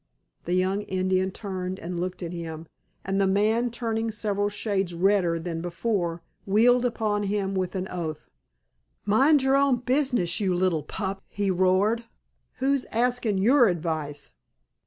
The young Indian turned and looked at him, and the man, turning several shades redder than before, wheeled upon him with an oath. "Mind your own business, you little pup," he roared, "who's askin' your advice!"